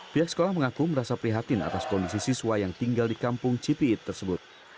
pihak sekolah mengaku merasa prihatin atas kondisi siswa yang tinggal di kampung cipiit tersebut